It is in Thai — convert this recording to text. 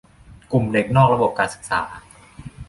กลุ่มเด็กนอกระบบการศึกษา